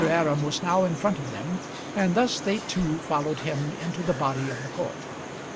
Aram was now in front of them, and thus they two followed him into the body of the court.